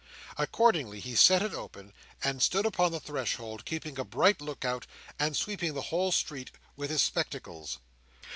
Accordingly he set it open, and stood upon the threshold, keeping a bright look out, and sweeping the whole street with his spectacles.